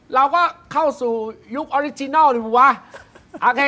เราก็เข้าสู่ยุคออริจินัลเลยวะ